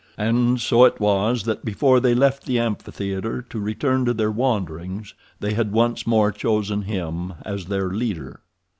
And so it was that before they left the amphitheater to return to their wanderings they had once more chosen him as their leader.